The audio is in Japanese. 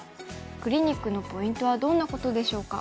クリニックのポイントはどんなことでしょうか。